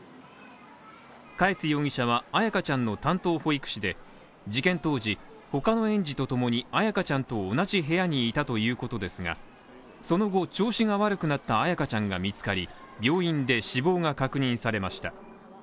嘉悦容疑者は、彩花ちゃんの担当保育士で、事件当時、他の園児とともに、彩花ちゃんと同じ部屋にいたということですが、その後調子が悪くなった彩花ちゃんが見つかり、病院で死亡が確認されました。